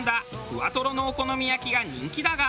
ふわとろのお好み焼きが人気だが。